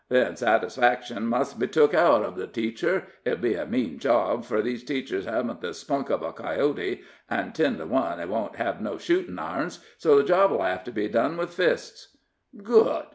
Then satisfaction must be took out uv the teacher. It'll be a mean job, fur these teachers hevn't the spunk of a coyote, an' ten to one he won't hev no shootin' irons, so the job'll hev to be done with fists." "Good!"